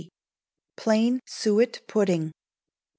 Plain Suet Pudding.